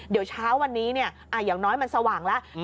เดี๋ยวเช้าวันนี้อย่างน้อยมันสว่างแล้ว